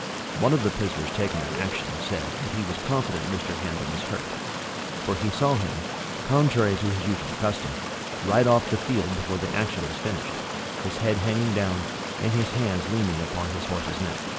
One of the prisoners taken in the action, said, that he was confident Mr. Hambden was hurt: for he saw him, contrary to his usual custom, ride off the field before the action was finished; his head hanging down, and his hands leaning upon his horse's neck.